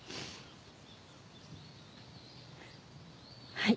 はい。